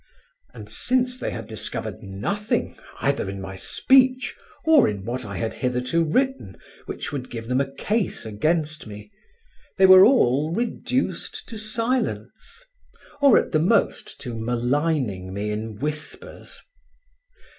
And since they had discovered nothing either in my speech or in what I had hitherto written which would give them a case against me, they were all reduced to silence, or at the most to maligning me in whispers.